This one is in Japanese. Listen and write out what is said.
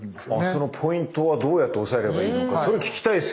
そのポイントはどうやって抑えればいいのかそれ聞きたいですよね。